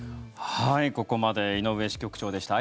ここまで井上支局長でした。